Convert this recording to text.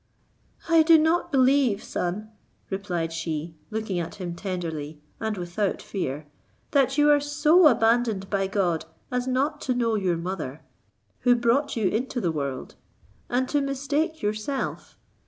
"I do not believe, son," replied she, looking at him tenderly, and without fear, "that you are so abandoned by God as not to know your mother, who brought you into the world, and to mistake yourself.